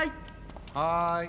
はい。